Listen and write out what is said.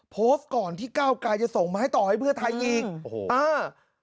โพสต์ก่อนที่ก้าวกายจะส่งมาให้ต่อให้เพื่อไทยอีกโอ้โหอ่า